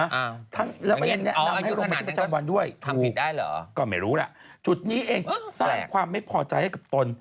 แล้วไปแนะนำให้ลงมือที่ประชาบันด้วยถูกก็ไม่รู้ล่ะจุดนี้เองสร้างความไม่พอใจให้กับตน